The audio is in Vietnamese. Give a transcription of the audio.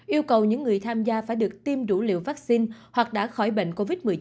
yêu cầu những người tham gia phải được tiêm đủ liều vaccine hoặc đã khỏi bệnh covid một mươi chín